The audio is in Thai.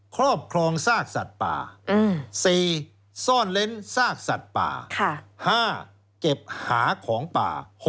ครอบครองซากสัตว์ป่า๔ซ่อนเล้นซากสัตว์ป่า๕เก็บหาของป่า